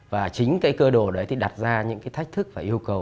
và chính cái cơ đồ đấy thì đặt ra những cái thách thức và yêu cầu